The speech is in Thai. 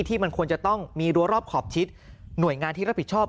ที่มันควรจะต้องมีรัวรอบขอบชิดหน่วยงานที่รับผิดชอบ